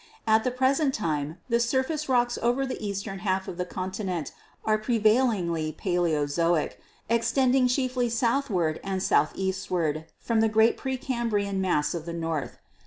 At the present time the surface rocks over the eastern half of the continent are prevailingly Paleozoic, extending chiefly southward and southeastward from the great pre Cambrian mass of the north.